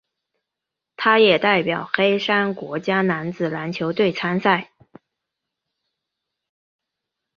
他也代表黑山国家男子篮球队参赛。